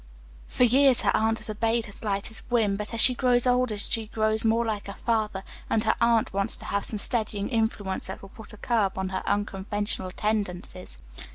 For years her aunt has obeyed her slightest whim, but as she grows older she grows more like her father, and her aunt wants her to have some steadying influence that will put a curb on her unconventional tendencies.